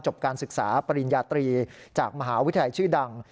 การศึกษาปริญญาตรีจากมหาวิทยาลัยชื่อดัง